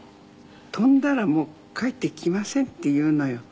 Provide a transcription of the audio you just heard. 「飛んだらもう帰ってきません」って言うのよ。